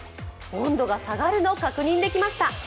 温度が下がるのを確認できました。